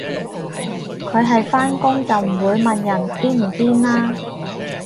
佢係返工就唔會問人癲唔癲啦